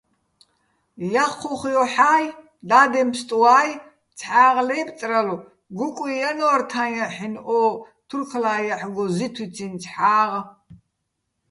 ჲაჴჴუხ ჲოჰ̦ა́ჲ, დადემფსტუა́ჲ ცჰ̦ა́ღ ლაჲბწრალო̆, გუკუჲ ჲანო́რ თაჼ ჲაჰ̦ინო̆ ო თურქლა ჲაჰ̦გო ზითვიციჼ ცჰ̦ა́ღ.